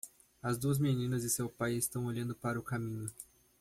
As duas meninas e seu pai estão olhando para o caminho.